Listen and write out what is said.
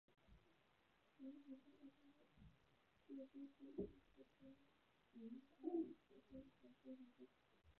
台湾和中国大陆就都各有一套中文空管的词汇和对话规则。